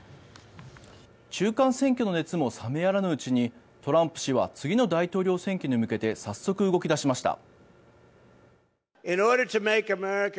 中間選挙の熱も冷めやらぬうちにトランプ氏は次の大統領選挙に向けて早速、動き出しました。